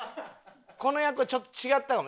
この役ちょっと違ったかも。